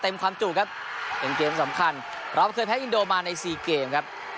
ความจุครับเป็นเกมสำคัญเราเคยแพ้อินโดมาในสี่เกมครับ